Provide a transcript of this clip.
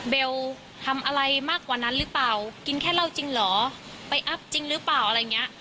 เบลทำอะไรมากกว่านั้นหรือเปล่ากินแค่เหล้าจริงเหรอไปอัพจริงหรือเปล่าอะไรอย่างเงี้ย